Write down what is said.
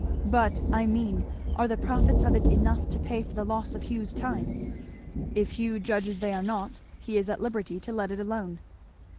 "But, I mean, are the profits of it enough to pay for the loss of Hugh's time?" "If Hugh judges they are not, he is at liberty to let it alone."